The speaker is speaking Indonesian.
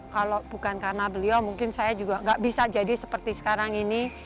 kalau bukan karena beliau mungkin saya juga nggak bisa jadi seperti sekarang ini